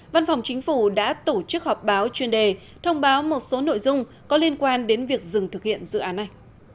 văn phòng chính phủ đã tổ chức họp báo chuyên đề thông báo một số nội dung có liên quan đến việc dừng thực hiện dự án này